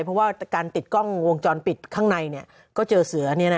เพราะว่าการติดกล้องวงจรปิดข้างในเนี่ยก็เจอเสือนี้นะฮะ